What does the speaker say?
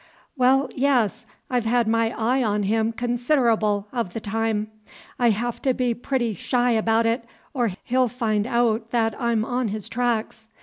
"W'll, yes, I've had my eye on him consid'ble o' the time. I haf to be pooty shy abaout it, or he'll find aout th't I'm on his tracks.